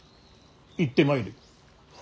行ってまいれ。